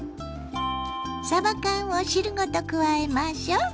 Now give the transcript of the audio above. さば缶を汁ごと加えましょう。